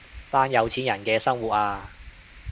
班有錢人嘅生活啊